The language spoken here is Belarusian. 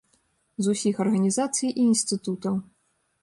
З усіх арганізацый і інстытутаў.